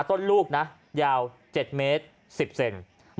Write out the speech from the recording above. ต้นลูกนะยาว๗เมตร๑๐เซนติเมตร